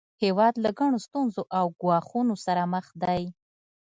هیواد له ګڼو ستونزو او ګواښونو سره مخ دی